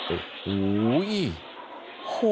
โอ้โห